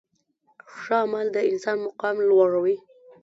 ښه عمل د انسان مقام لوړوي.